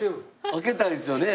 開けたいですよね。